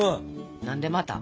何でまた。